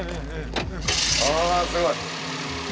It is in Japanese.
ああすごい！